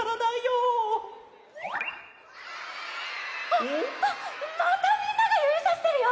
あっまたみんながゆびさしてるよ！